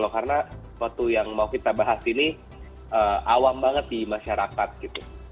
karena waktu yang mau kita bahas ini awam banget di masyarakat gitu